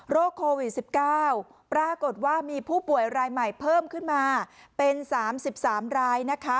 โควิด๑๙ปรากฏว่ามีผู้ป่วยรายใหม่เพิ่มขึ้นมาเป็น๓๓รายนะคะ